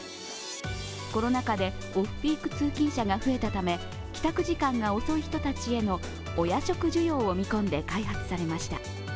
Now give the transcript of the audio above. コロナ禍でオフピーク通勤者が増えたため、帰宅時間が遅い人たちへのお夜食需要を見込んで開発されました。